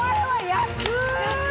安い！